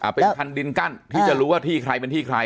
เป็นคันดินกั้นที่จะรู้ว่าที่ใครเป็นที่ใคร